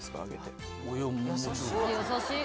優しい。